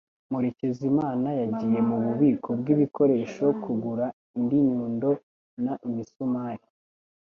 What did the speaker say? Murekezimana yagiye mububiko bwibikoresho kugura indi nyundo n imisumari.